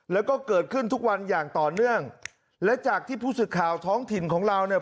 แล้วก็เกิดขึ้นทุกวันอย่างต่อเนื่องและจากที่ผู้สื่อข่าวท้องถิ่นของเราเนี่ย